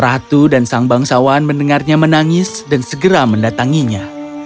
ratu dan sang bangsawan mendengarnya menangis dan segera mendatanginya